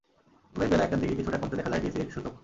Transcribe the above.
তবে বেলা একটার দিকে কিছুটা কমতে দেখা যায় ডিএসই এক্স সূচক।